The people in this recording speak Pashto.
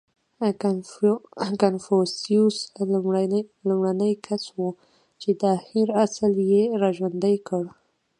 • کنفوسیوس لومړنی کس و، چې دا هېر اصل یې راژوندی کړ.